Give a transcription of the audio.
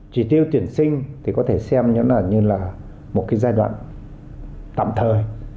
chỉ tiêu tuyển sinh thì có thể xem như là một cái giai đoạn tạm thời